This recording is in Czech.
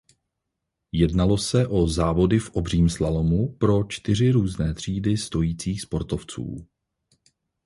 Jednalo se o závody v obřím slalomu pro čtyři různé třídy stojících sportovců.